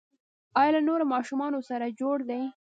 ایا له نورو ماشومانو سره جوړ دي؟